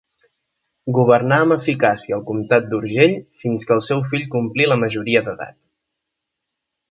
Governà amb eficàcia el comtat d'Urgell fins que el seu fill complí la majoria d'edat.